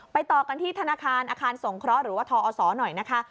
ต่อกันที่ธนาคารอาคารสงเคราะห์หรือว่าทอศหน่อยนะคะ